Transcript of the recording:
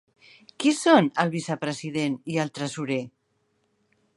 Qui són el vicepresident i tresorer?